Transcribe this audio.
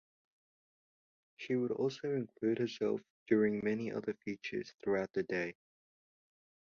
She would also include herself during many other features throughout the day.